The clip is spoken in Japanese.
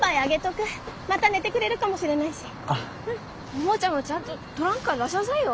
おもちゃもちゃんとトランクから出しなさいよ。